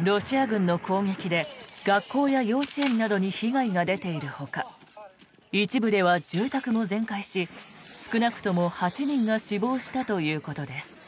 ロシア軍の攻撃で学校や幼稚園などに被害が出ているほか一部では住宅も全壊し少なくとも８人が死亡したということです。